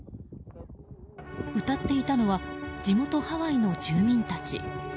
歌っていたのは地元ハワイの住民たち。